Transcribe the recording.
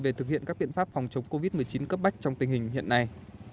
về thực hiện các biện pháp phòng chống covid một mươi chín cấp bách trong tình hình hiện nay